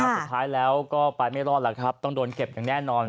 สุดท้ายแล้วก็ไปไม่รอดล่ะครับต้องโดนเก็บอย่างแน่นอน